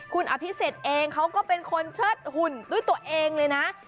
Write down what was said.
คุณอภิษฎเองเขาก็เป็นคนเชิดหุ่นด้วยตัวเองเลยนะ